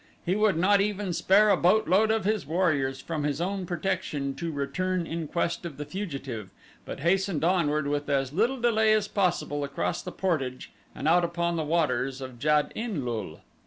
He would not even spare a boatload of his warriors from his own protection to return in quest of the fugitive but hastened onward with as little delay as possible across the portage and out upon the waters of Jad in lul.